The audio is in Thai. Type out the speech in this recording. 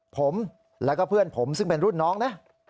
ผมแล้วก็เพื่อนผมซึ่งเป็นรุ่นน้องนะ